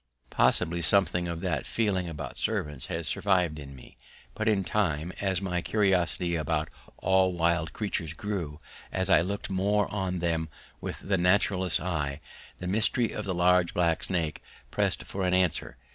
Possibly something of that feeling about serpents has survived in me; but in time, as my curiosity about all wild creatures grew, as I looked more on them with the naturalist's eyes, the mystery of the large black snake pressed for an answer.